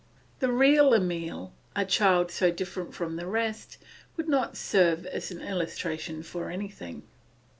The real Emile, a child so different from the rest, would not serve as an illustration for anything.